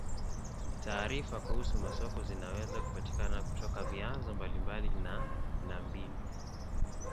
Taarifa kuhusu masoko zinaweza kupatikana kutoka vyanzo mbalimbali na na mbinu.